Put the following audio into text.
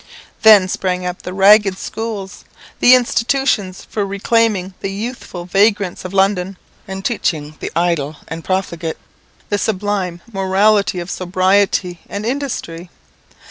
Then sprang up the ragged schools, the institutions for reclaiming the youthful vagrants of London, and teaching the idle and profligate the sublime morality of sobriety and industry.